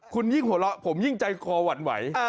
คุณยิ่งหัวเราะผมยิ่งใจคอหวั่นไหว